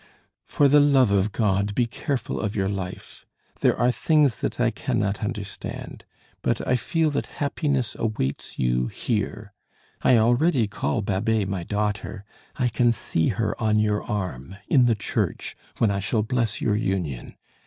"For the love of God! be careful of your life. There are things that I cannot understand, but I feel that happiness awaits you here. I already call Babet my daughter; I can see her on your arm, in the church, when I shall bless your union.